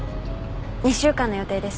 ２週間の予定です。